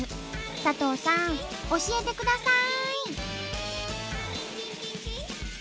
佐藤さん教えてください！